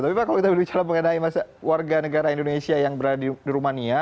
tapi pak kalau kita berbicara mengenai warga negara indonesia yang berada di rumania